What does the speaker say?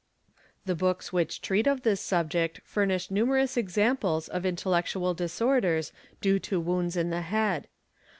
The books which treat of this subject furnish numerous examples of intellectual disorders due to wounds in the head.